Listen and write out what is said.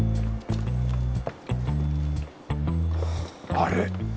あれ？